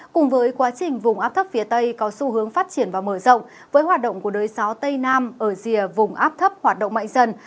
cùng với quá trình vùng áp thấp phía tây có xu hướng phát triển và mở rộng với hoạt động của đới gió tây nam ở rìa vùng áp thấp hoạt động mạnh dần